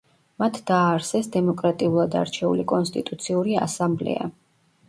მათ დააარსეს დემოკრატიულად არჩეული კონსტიტუციური ასამბლეა.